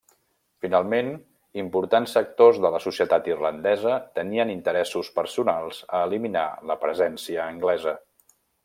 Finalment, importants sectors de la societat irlandesa tenien interessos personals a eliminar la presència anglesa.